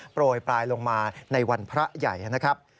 โปรยปลายลงมาในวันพระใหญ่นะครับ